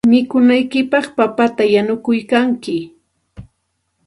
Mikunankupaq papata yanuykalkanki.